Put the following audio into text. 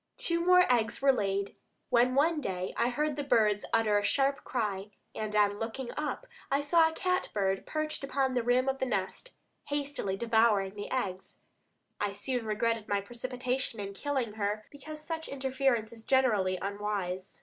Two more eggs were laid, when one day I heard the birds utter a sharp cry, and on looking up I saw a cat bird perched upon the rim of the nest, hastily devouring the eggs. I soon regretted my precipitation in killing her, because such interference is generally unwise.